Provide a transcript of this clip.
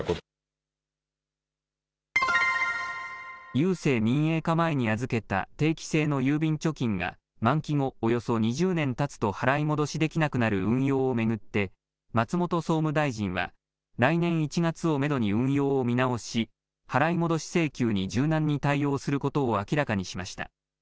郵政民営化前に預けた定期性の郵便貯金が満期後、およそ２０年たつと払い戻しできなくなる運用を巡って松本総務大臣は来年１月をめどに運用を見直し払い戻し請求に柔軟に対応することを明らかにしました。